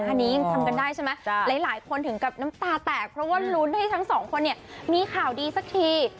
อันนี้ยังทำกันได้ใช่ไหมหลายคนถึงกับน้ำตาแตกเพราะว่าลุ้นให้ทั้งสองคนเนี่ยมีข่าวดีสักที